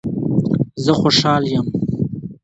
زه خوشحال یم